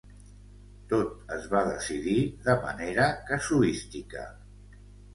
Tot es va decidir de manera casuística.